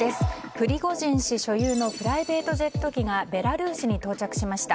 プリゴジン氏所有のプライベートジェット機がベラルーシに到着しました。